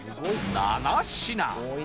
７品